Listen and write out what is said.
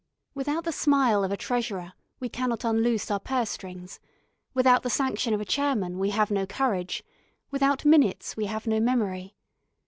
Without the smile of a Treasurer we cannot unloose our purse strings; without the sanction of a Chairman we have no courage; without Minutes we have no memory.